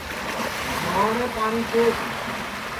نہواٹؔے پاٹؔی ٹیک